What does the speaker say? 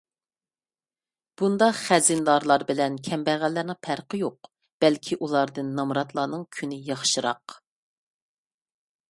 بۇنداق خەزىنىدارلار بىلەن كەمبەغەللەرنىڭ پەرقى يوق. بەلكى ئۇلاردىن نامراتلارنىڭ كۈنى ياخشىراق.